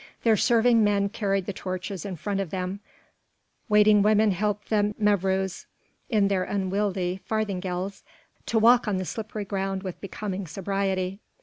Their serving men carried the torches in front of them, waiting women helped the mevrouws in their unwieldy farthingales to walk on the slippery ground with becoming sobriety.